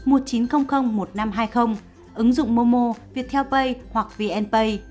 ứng dụng momo viettel pay hoặc vn pay